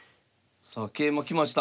さあ桂馬来ました。